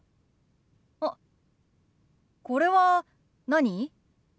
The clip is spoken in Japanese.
あっこれは何？